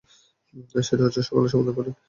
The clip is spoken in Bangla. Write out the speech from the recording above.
সেই রহস্য সকালে সমাধান কোরেন।